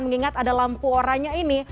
mengingat ada lampu oranya ini